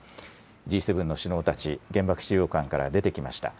Ｇ７の首脳たち、原爆資料館から出てきました。